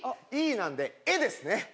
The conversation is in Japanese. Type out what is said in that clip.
なんで「エ」ですね